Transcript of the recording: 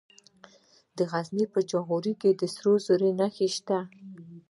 د غزني په جاغوري کې د سرو زرو نښې شته.